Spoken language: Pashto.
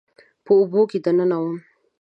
په اوبو کې دننه وم